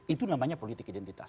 itu namanya politik identitas